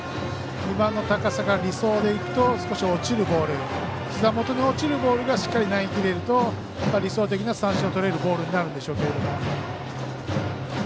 今の高さが理想で言うと少し落ちるボールひざ元に落ちるボールがしっかり投げきれると理想的な三振をとれるボールになるんでしょうけど。